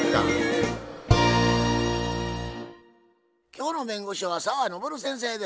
今日の弁護士は澤登先生です。